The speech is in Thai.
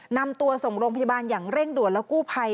นำตัวส่งโรงพยาบาลอย่างเร่งด่วนและกู้ภัย